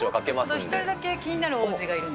１人だけ気になる王子がいるんで。